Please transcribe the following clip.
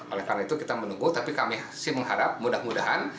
oleh karena itu kita menunggu tapi kami sih mengharap mudah mudahan